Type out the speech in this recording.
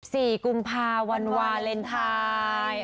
กุมภาวันวาเลนไทย